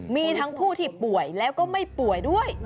มีทั้งผู้ที่ป่วยแล้วก็ไม่ป่วยด้วย